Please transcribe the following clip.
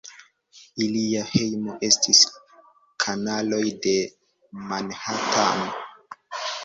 Ilia hejmo estis kanaloj de Manhattan.